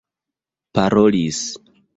parolis